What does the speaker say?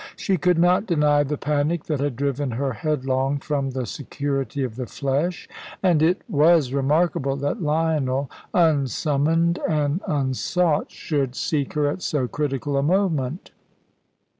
She could not deny the panic that had driven her headlong from the security of the flesh, and it was remarkable that Lionel, unsummoned and unsought, should seek her at so critical a moment.